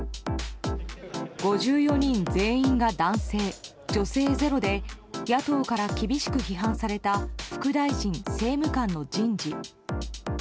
５４人全員が男性、女性ゼロで野党から厳しく批判された副大臣・政務官の人事。